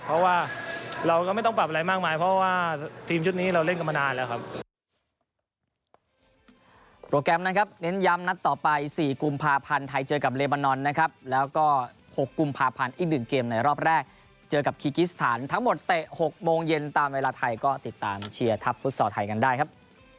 เพราะว่าเราก็ไม่ต้องปรับอะไรมากมายเพราะว่าทีมชุดนี้เราเล่นกันมานานแล้วครับ